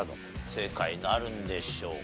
正解なるんでしょうか？